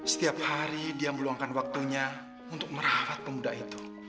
setiap hari dia meluangkan waktunya untuk merawat pemuda itu